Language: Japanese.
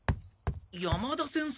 山田先生。